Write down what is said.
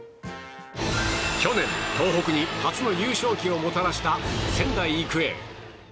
去年、東北に初の優勝旗をもたらした仙台育英。